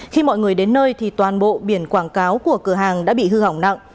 khi mọi người đến nơi thì toàn bộ biển quảng cáo của cửa hàng đã bị hư hỏng nặng